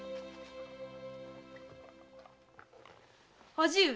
・叔父上。